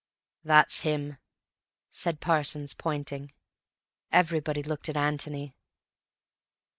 "That's him," said Parsons, pointing. Everybody looked at Antony.